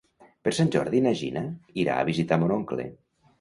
Per Sant Jordi na Gina irà a visitar mon oncle.